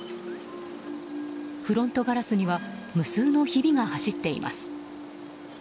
フロントガラスには無数のひびが走っています。